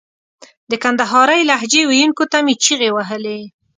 د کندهارۍ لهجې ویونکو ته مې چیغې وهلې.